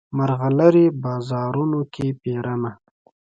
مرغلرې بازارونو کې پیرمه